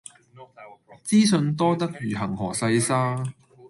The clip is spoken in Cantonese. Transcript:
資訊多得如恆河細沙